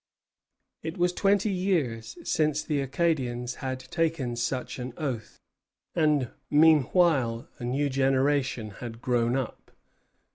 It was twenty years since the Acadians had taken such an oath; and meanwhile a new generation had grown up.